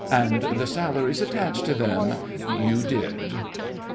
And the salaries attached to them? You did.